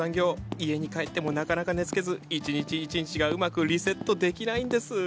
家に帰ってもなかなか寝つけず１日１日がうまくリセットできないんです。